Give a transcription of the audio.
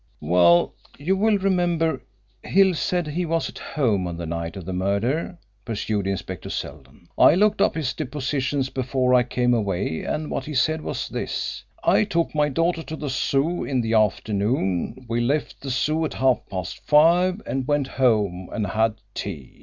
"Well, you will remember Hill said he was at home on the night of the murder," pursued Inspector Seldon. "I looked up his depositions before I came away and what he said was this: 'I took my daughter to the Zoo in the afternoon. We left the Zoo at half past five and went home and had tea.